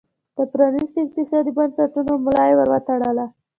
د پرانیستو اقتصادي بنسټونو ملا یې ور وتړله.